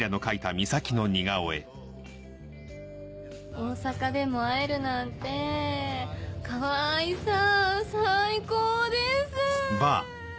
大阪でも会えるなんてぇ河合さん最高です！